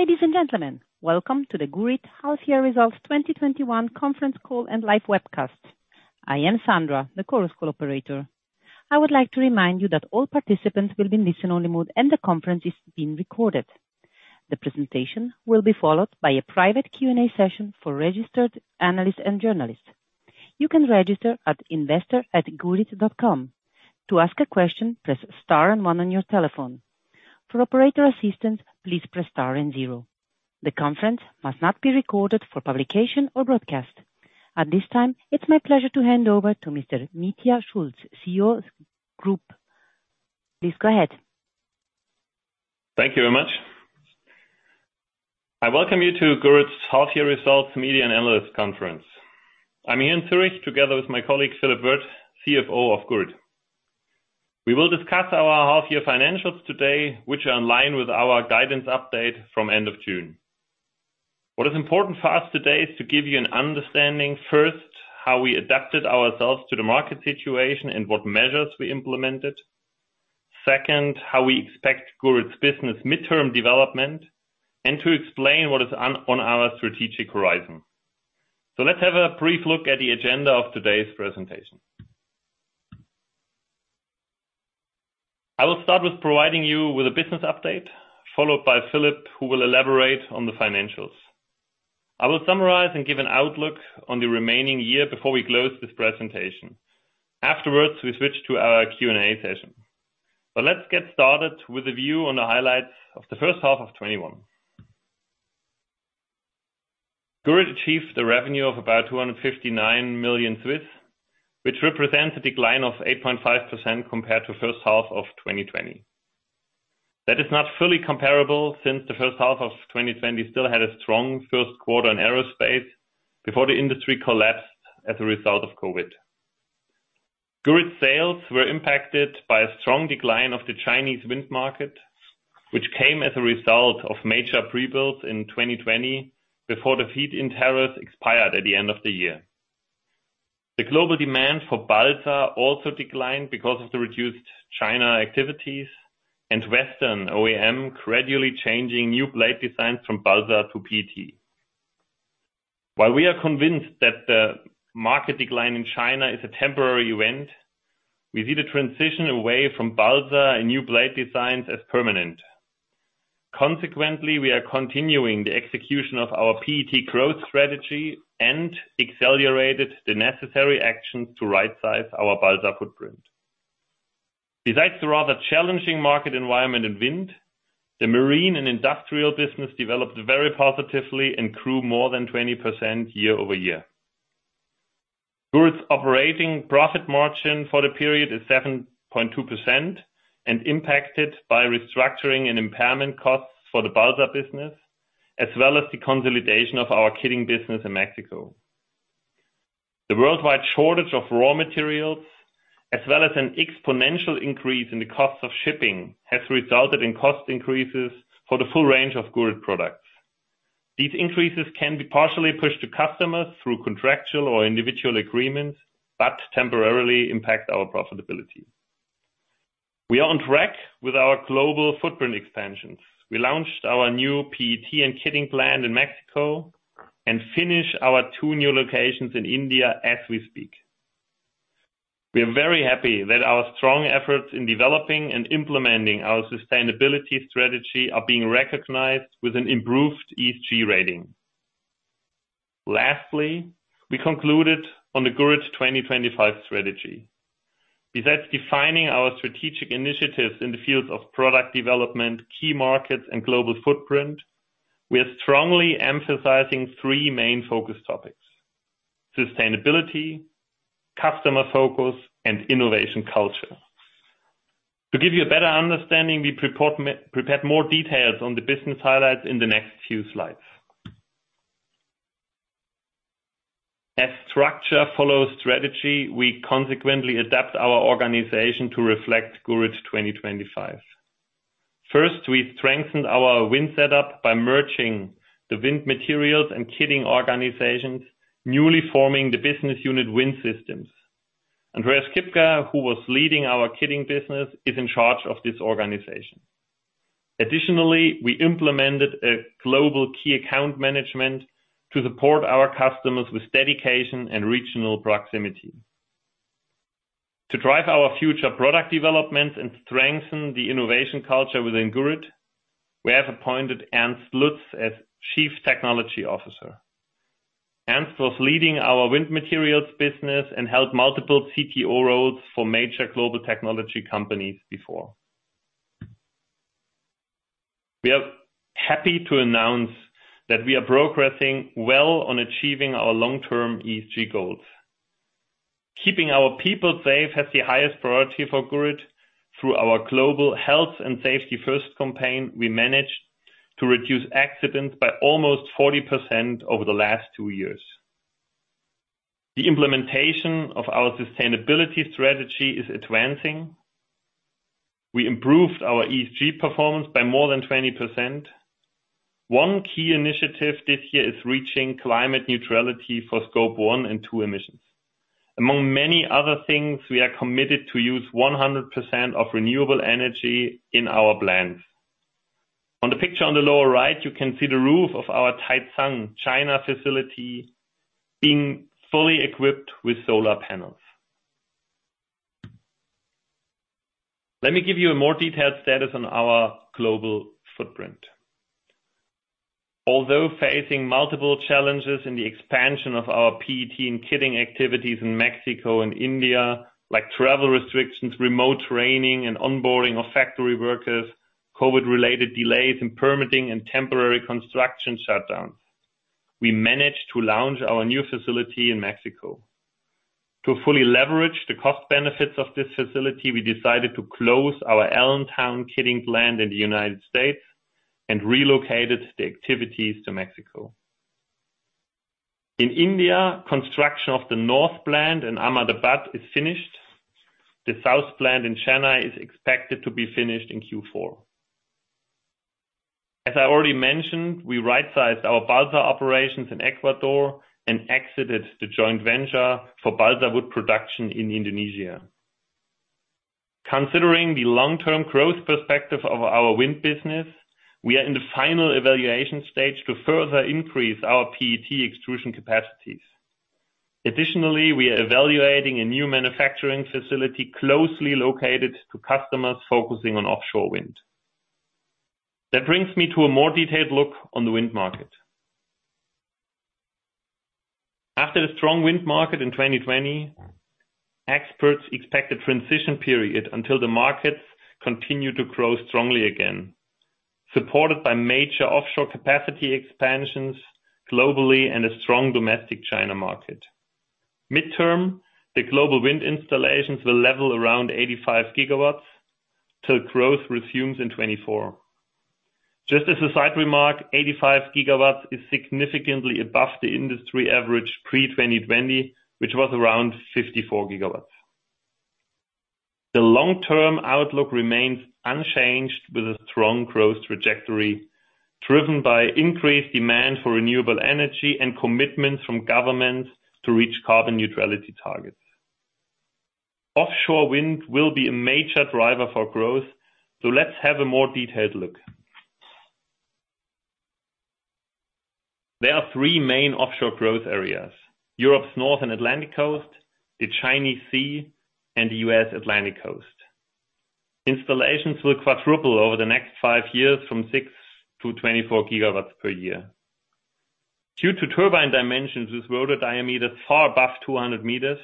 Ladies and gentlemen, welcome to the Gurit Half Year Results 2021 conference call and live webcast. I am Sandra, the Chorus Call operator. I would like to remind you that all participants will be in listen-only mode and the conference is being recorded. The presentation will be followed by a private Q&A session for registered analysts and journalists. You can register at investor@gurit.com. To ask a question, press star and one on your telephone. For operator assistance, please press star and zero. The conference must not be recorded for publication or broadcast. At this time, it's my pleasure to hand over to Mr. Mitja Schulz, CEO Group. Please go ahead. Thank you very much. I welcome you to Gurit's Half Year Results Media and Analyst Conference. I'm here in Zurich together with my colleague, Philippe Wirth, CFO of Gurit. We will discuss our half-year financials today, which are in line with our guidance update from end of June. What is important for us today is to give you an understanding, first, how we adapted ourselves to the market situation and what measures we implemented. Second, how we expect Gurit's business midterm development, and to explain what is on our strategic horizon. Let's have a brief look at the agenda of today's presentation. I will start with providing you with a business update, followed by Philippe, who will elaborate on the financials. I will summarize and give an outlook on the remaining year before we close this presentation. Afterwards, we switch to our Q&A session. Let's get started with a view on the highlights of the H1 of 2021. Gurit achieved the revenue of about 259 million, which represents a decline of 8.5% compared to H1 of 2020. That is not fully comparable since the H1 of 2020 still had a strong Q1 in Aerospace before the industry collapsed as a result of COVID. Gurit's sales were impacted by a strong decline of the Chinese wind market, which came as a result of major pre-build in 2020 before the feed-in tariff expired at the end of the year. The global demand for balsa also declined because of the reduced China activities and Western OEM gradually changing new blade designs from balsa to PET. While we are convinced that the market decline in China is a temporary event, we see the transition away from balsa and new blade designs as permanent. Consequently, we are continuing the execution of our PET growth strategy and accelerated the necessary actions to rightsize our balsa footprint. Besides the rather challenging market environment in wind, the marine and industrial business developed very positively and grew more than 20% year-over-year. Gurit's operating profit margin for the period is 7.2% and impacted by restructuring and impairment costs for the balsa business, as well as the consolidation of our Kitting business in Mexico. The worldwide shortage of raw materials, as well as an exponential increase in the cost of shipping, has resulted in cost increases for the full range of Gurit products. These increases can be partially pushed to customers through contractual or individual agreements, but temporarily impact our profitability. We are on track with our global footprint expansions. We launched our new PET and Kitting plant in Mexico and finish our two new locations in India as we speak. We are very happy that our strong efforts in developing and implementing our sustainability strategy are being recognized with an improved ESG rating. Lastly, we concluded on the Gurit 2025 strategy. Besides defining our strategic initiatives in the fields of product development, key markets, and global footprint, we are strongly emphasizing three main focus topics: sustainability, customer focus, and innovation culture. To give you a better understanding, we prepared more details on the business highlights in the next few slides. As structure follows strategy, we consequently adapt our organization to reflect Gurit 2025. First, we strengthened our wind setup by merging the Wind Materials and Kitting organizations, newly forming the Business Unit Wind Systems. Andreas Kipker, who was leading our Kitting business, is in charge of this organization. Additionally, we implemented a global key account management to support our customers with dedication and regional proximity. To drive our future product development and strengthen the innovation culture within Gurit, we have appointed Ernst Lutz as Chief Technology Officer. Ernst was leading our Wind Materials business and held multiple CTO roles for major global technology companies before. We are happy to announce that we are progressing well on achieving our long-term ESG goals. Keeping our people safe has the highest priority for Gurit. Through our global Safety First campaign, we managed to reduce accidents by almost 40% over the last two years. The implementation of our sustainability strategy is advancing. We improved our ESG performance by more than 20%. One key initiative this year is reaching climate neutrality for Scope 1 and 2 emissions. Among many other things, we are committed to use 100% of renewable energy in our plants. On the picture on the lower right, you can see the roof of our Taicang, China facility being fully equipped with solar panels. Let me give you a more detailed status on our global footprint. Although facing multiple challenges in the expansion of our PET and kitting activities in Mexico and India, like travel restrictions, remote training, and onboarding of factory workers, COVID-related delays in permitting and temporary construction shutdowns, we managed to launch our new facility in Mexico. To fully leverage the cost benefits of this facility, we decided to close our Allentown kitting plant in the U.S. and relocated the activities to Mexico. In India, construction of the north plant in Ahmedabad is finished. The south plant in Chennai is expected to be finished in Q4. As I already mentioned, we right-sized our balsa operations in Ecuador and exited the joint venture for balsa wood production in Indonesia. Considering the long-term growth perspective of our wind business, we are in the final evaluation stage to further increase our PET extrusion capacities. Additionally, we are evaluating a new manufacturing facility closely located to customers focusing on offshore wind. That brings me to a more detailed look on the wind market. After the strong wind market in 2020, experts expect a transition period until the markets continue to grow strongly again, supported by major offshore capacity expansions globally and a strong domestic China market. Midterm, the global wind installations will level around 85 GW till growth resumes in 2024. Just as a side remark, 85 GW is significantly above the industry average pre-2020, which was around 54 GW. The long-term outlook remains unchanged with a strong growth trajectory, driven by increased demand for renewable energy and commitments from governments to reach carbon neutrality targets. Offshore wind will be a major driver for growth. Let's have a more detailed look. There are three main offshore growth areas, Europe's North and Atlantic Coast, the Chinese Sea, and the U.S. Atlantic Coast. Installations will quadruple over the next five years from 6-24 GW per year. Due to turbine dimensions with rotor diameters far above 200 meters,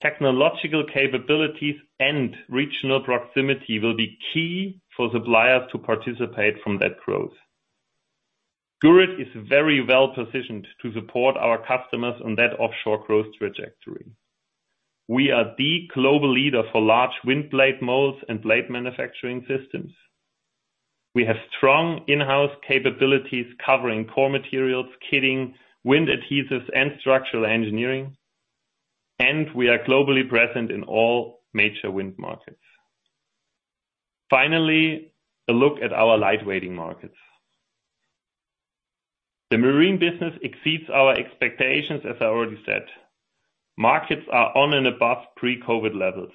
technological capabilities and regional proximity will be key for suppliers to participate from that growth. Gurit is very well-positioned to support our customers on that offshore growth trajectory. We are the global leader for large wind blade molds and blade manufacturing systems. We have strong in-house capabilities covering Core Materials, Kitting, Wind adhesives, and structural engineering, and we are globally present in all major wind markets. Finally, a look at our lightweighting markets. The marine business exceeds our expectations, as I already said. Markets are on and above pre-COVID levels.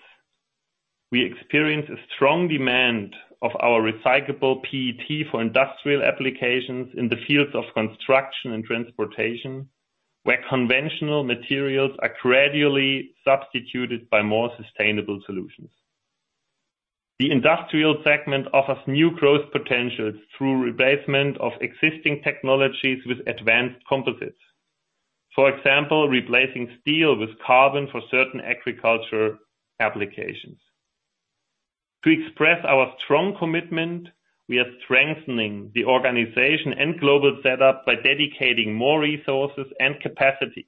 We experience a strong demand of our recyclable PET for industrial applications in the fields of construction and transportation, where conventional materials are gradually substituted by more sustainable solutions. The industrial segment offers new growth potentials through replacement of existing technologies with advanced composites. For example, replacing steel with carbon for certain agriculture applications. To express our strong commitment, we are strengthening the organization and global setup by dedicating more resources and capacities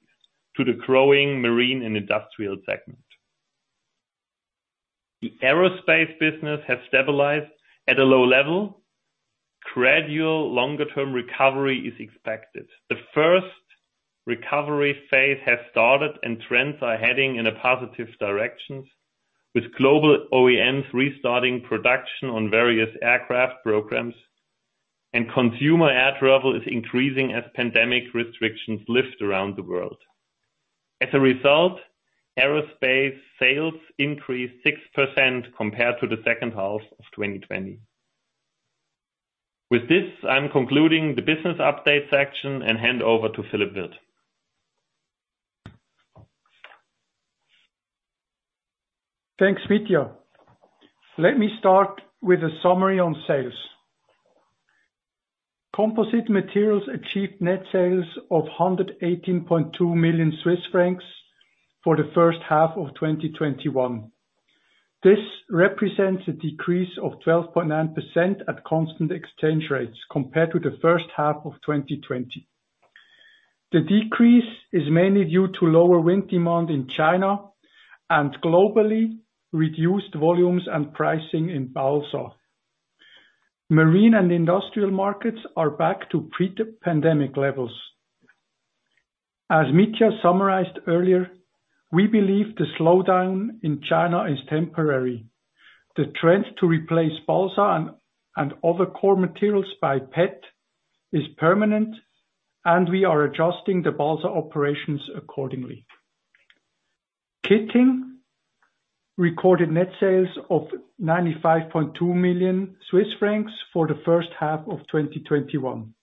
to the growing marine and industrial segment. The Aerospace business has stabilized at a low level. Gradual longer-term recovery is expected. The first recovery phase has started, and trends are heading in a positive direction, with global OEMs restarting production on various aircraft programs, and consumer air travel is increasing as pandemic restrictions lift around the world. As a result, Aerospace sales increased 6% compared to the H2 of 2020. With this, I'm concluding the business update section and hand over to Philippe Wirth. Thanks, Mitja. Let me start with a summary on sales. Composite materials achieved net sales of 118.2 million Swiss francs for the H1 of 2021. This represents a decrease of 12.9% at constant exchange rates compared to the H1 of 2020. The decrease is mainly due to lower wind demand in China and globally reduced volumes and pricing in balsa. Marine and industrial markets are back to pre-pandemic levels. As Mitja summarized earlier, we believe the slowdown in China is temporary. The trend to replace balsa and other core materials by PET is permanent, and we are adjusting the balsa operations accordingly. Kitting recorded net sales of 95.2 million Swiss francs for the H1 of 2021.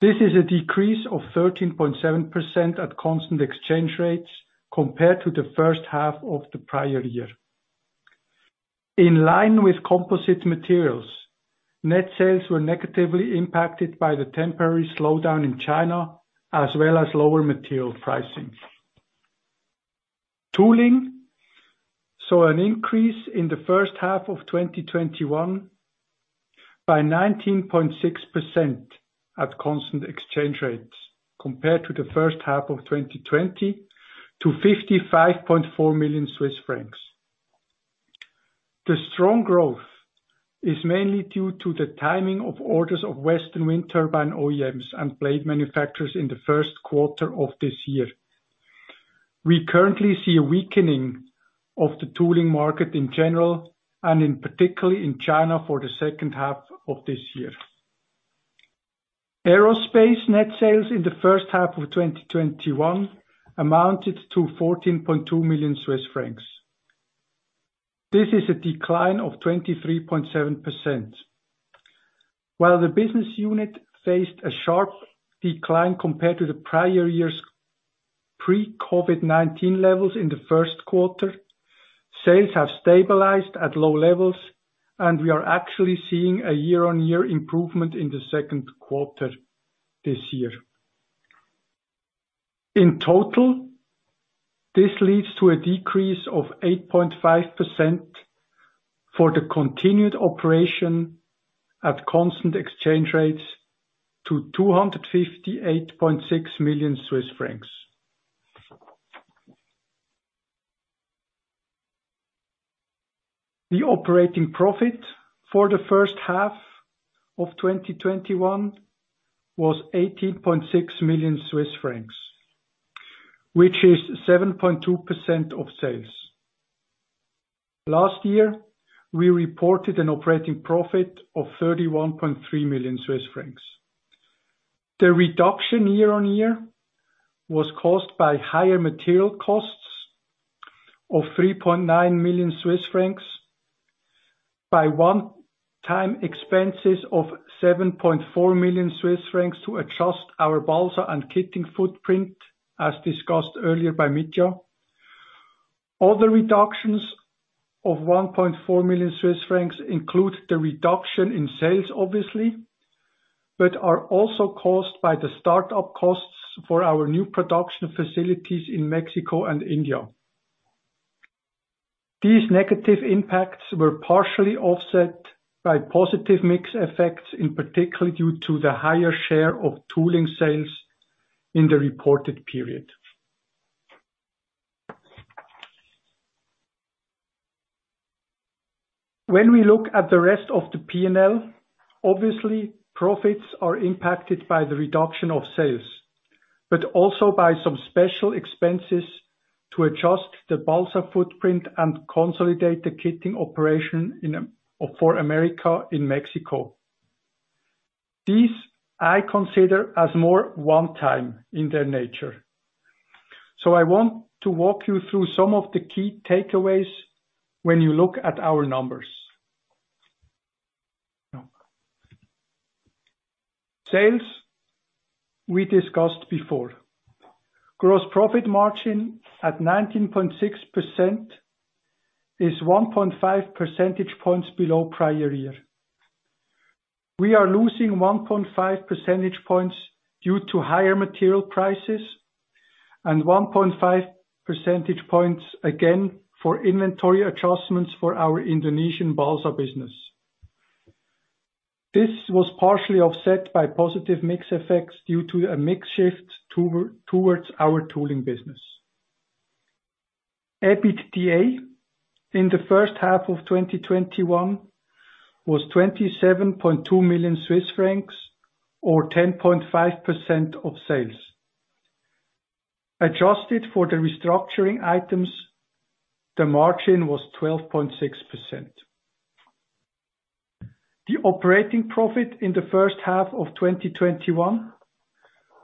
This is a decrease of 13.7% at constant exchange rates compared to the H1 of the prior year. In line with Composite materials, net sales were negatively impacted by the temporary slowdown in China, as well as lower material pricing. Tooling saw an increase in the H1 of 2021 by 19.6% at constant exchange rates compared to the H1 of 2020 to 55.4 million Swiss francs. The strong growth is mainly due to the timing of orders of Western wind turbine OEMs and blade manufacturers in the Q1 of this year. We currently see a weakening of the tooling market in general, and in particular in China for the Q2 of this year. Aerospace net sales in the H1 of 2021 amounted to 14.2 million Swiss francs. This is a decline of 23.7%. While the business unit faced a sharp decline compared to the prior year's pre-COVID-19 levels in the Q1, sales have stabilized at low levels, and we are actually seeing a year-on-year improvement in the Q2 this year. In total, this leads to a decrease of 8.5% for the continued operation at constant exchange rates to CHF 258.6 million. The operating profit for the H1 of 2021 was 18.6 million Swiss francs, which is 7.2% of sales. Last year, we reported an operating profit of 31.3 million Swiss francs. The reduction year-on-year was caused by higher material costs of 3.9 million Swiss francs by one-time expenses of 7.4 million Swiss francs to adjust our balsa and kitting footprint, as discussed earlier by Mitja. Other reductions of 1.4 million Swiss francs include the reduction in sales, obviously, but are also caused by the start-up costs for our new production facilities in Mexico and India. These negative impacts were partially offset by positive mix effects, in particular, due to the higher share of Tooling sales in the reported period. When we look at the rest of the P&L, obviously profits are impacted by the reduction of sales, but also by some special expenses to adjust the balsa footprint and consolidate the Kitting operation for America in Mexico. These I consider as more one-time in their nature. I want to walk you through some of the key takeaways when you look at our numbers. Sales, we discussed before. Gross profit margin at 19.6% is 1.5 percentage points below prior year. We are losing 1.5 percentage points due to higher material prices and 1.5 percentage points again for inventory adjustments for our Indonesian balsa business. This was partially offset by positive mix effects due to a mix shift towards our tooling business. EBITDA in the H1 of 2021 was 27.2 million Swiss francs, or 10.5% of sales. Adjusted for the restructuring items, the margin was 12.6%. The operating profit in the H1 of 2021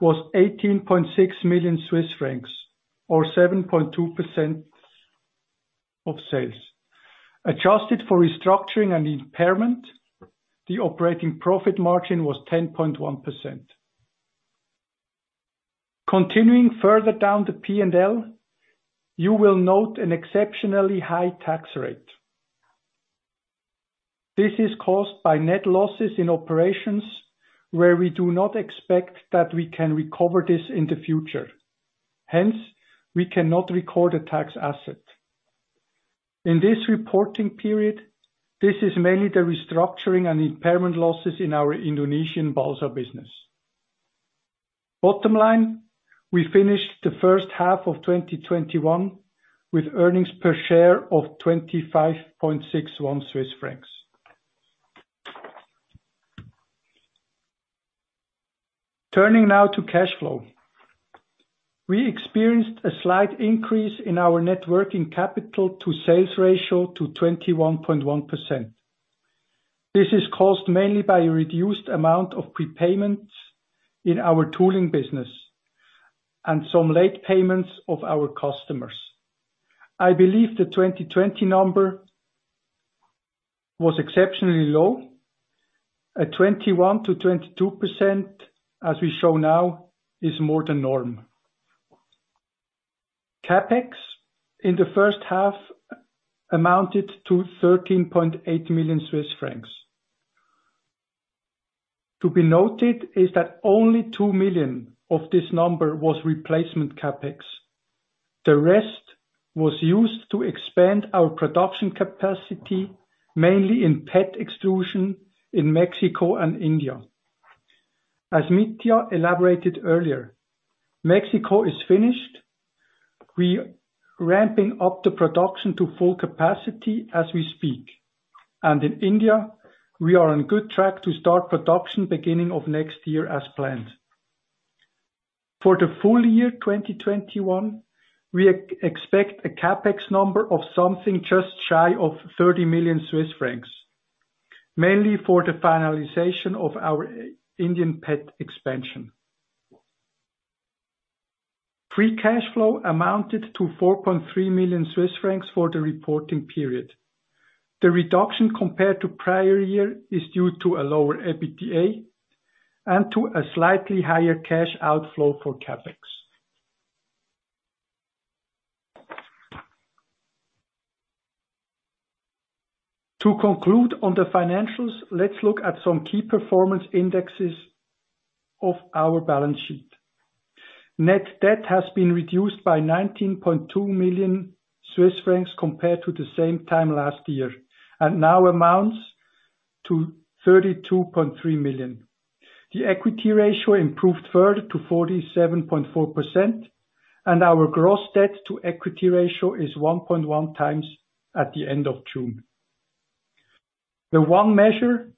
was 18.6 million Swiss francs, or 7.2% of sales. Adjusted for restructuring and impairment, the operating profit margin was 10.1%. Continuing further down the P&L, you will note an exceptionally high tax rate. This is caused by net losses in operations where we do not expect that we can recover this in the future. Hence, we cannot record a tax asset. In this reporting period, this is mainly the restructuring and impairment losses in our Indonesian balsa business. Bottom line, we finished the H1 of 2021 with earnings per share of 25.61 Swiss francs. Turning now to cash flow. We experienced a slight increase in our net working capital to sales ratio to 21.1%. This is caused mainly by a reduced amount of prepayments in our Tooling business and some late payments of our customers. I believe the 2020 number was exceptionally low. At 21%-22%, as we show now, is more the norm. CapEx in the H1 amounted to 13.8 million Swiss francs. To be noted is that only 2 million of this number was replacement CapEx. The rest was used to expand our production capacity, mainly in PET extrusion in Mexico and India. As Mitja elaborated earlier, Mexico is finished. We're ramping up the production to full capacity as we speak. In India, we are on good track to start production beginning of next year as planned. For the full year 2021, we expect a CapEx number of something just shy of 30 million Swiss francs, mainly for the finalization of our Indian PET expansion. Free cash flow amounted to 4.3 million Swiss francs for the reporting period. The reduction compared to prior year is due to a lower EBITDA and to a slightly higher cash outflow for CapEx. To conclude on the financials, let's look at some key performance indexes of our balance sheet. Net debt has been reduced by 19.2 million Swiss francs compared to the same time last year, and now amounts to 32.3 million. The equity ratio improved further to 47.4%, and our gross debt to equity ratio is 1.1x at the end of June. The one measure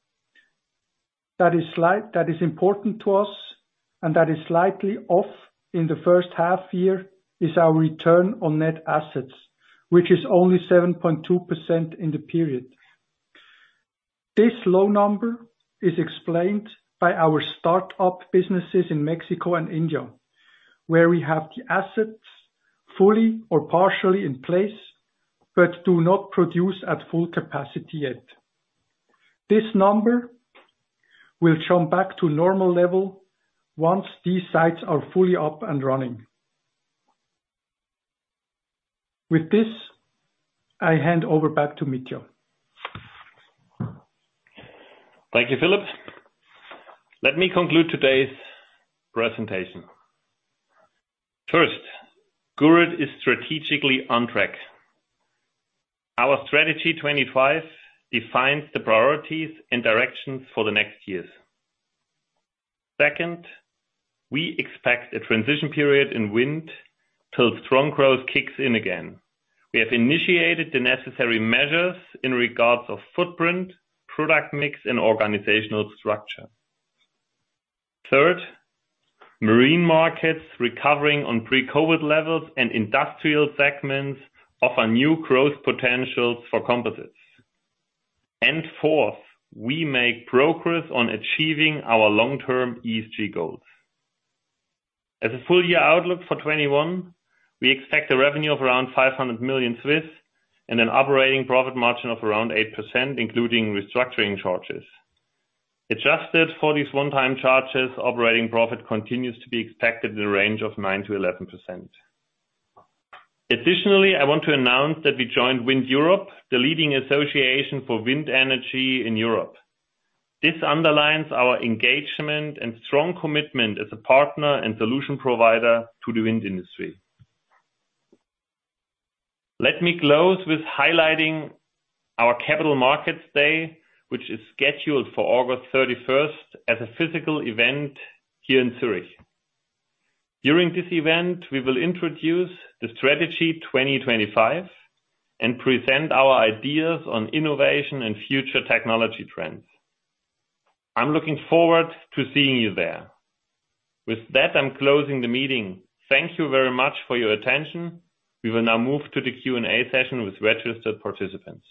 that is important to us and that is slightly off in the H1 year is our return on net assets, which is only 7.2% in the period. This low number is explained by our start-up businesses in Mexico and India, where we have the assets fully or partially in place but do not produce at full capacity yet. This number will jump back to normal level once these sites are fully up and running. With this, I hand over back to Mitja. Thank you, Philip. Let me conclude today's presentation. First, Gurit is strategically on track. Our Strategy 2025 defines the priorities and directions for the next years. Second, we expect a transition period in wind till strong growth kicks in again. We have initiated the necessary measures in regards of footprint, product mix, and organizational structure. Third, marine markets recovering on pre-COVID levels and industrial segments offer new growth potentials for composites. Fourth, we make progress on achieving our long-term ESG goals. As a full year outlook for 2021, we expect a revenue of around 500 million and an operating profit margin of around 8%, including restructuring charges. Adjusted for these one-time charges, operating profit continues to be expected in the range of 9%-11%. Additionally, I want to announce that we joined WindEurope, the leading association for wind energy in Europe. This underlines our engagement and strong commitment as a partner and solution provider to the wind industry. Let me close with highlighting our Capital Markets Day, which is scheduled for August 31st as a physical event here in Zurich. During this event, we will introduce the Strategy 2025 and present our ideas on innovation and future technology trends. I'm looking forward to seeing you there. With that, I'm closing the meeting. Thank you very much for your attention. We will now move to the Q&A session with registered participants.